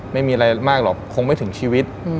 ไม่มีอะไรมากหรอกคงไม่ถึงชีวิต